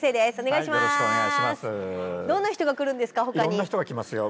いろんな人が来ますよ。